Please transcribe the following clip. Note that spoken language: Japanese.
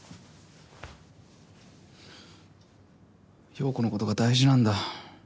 陽子のことが大事なんだ。